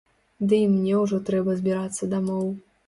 Ды і мне ўжо трэба збірацца дамоў.